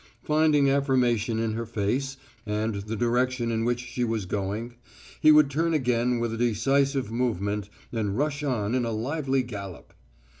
Finding affirmation in her face, and the direction in which she was going, he would turn again with a decisive movement and rush on in a lively gallop.